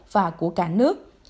và của cả nước